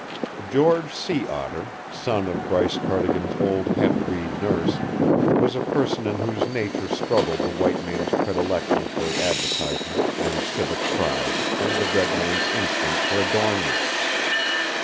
George Sea Otter, son of Bryce Cardigan's old half breed nurse, was a person in whose nature struggled the white man's predilection for advertisement and civic pride and the red man's instinct for adornment.